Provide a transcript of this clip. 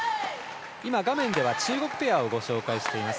画面では中国ペアをご紹介しています。